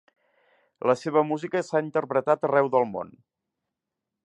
La seva música s'ha interpretat arreu del món.